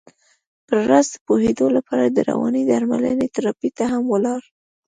پر راز د پوهېدو لپاره د روانې درملنې تراپۍ ته هم ولاړ.